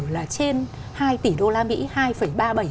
là trên hai tỷ đô la mỹ